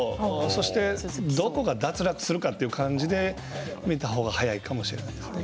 そして、どこが脱落するかという感じで見たほうが早いかもしれないですね。